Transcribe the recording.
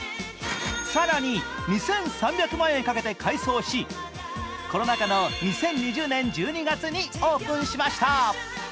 更に２３００万円かけて改装しコロナ禍の２０２０年１２月にオープンしました。